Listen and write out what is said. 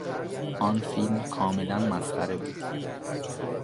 آن فیلم کاملا مسخره بود.